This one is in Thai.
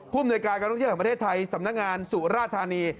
ภูมิในการการท่องเที่ยวแห่งประเทศไทยสำนักงานสุราธานี